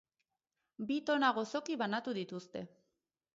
Bi tona gozoki banatu dituzte.